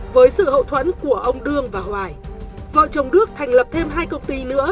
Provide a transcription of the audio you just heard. với sự hậu thuẫn của ông đương và hoài vợ chồng đức thành lập thêm hai công ty nữa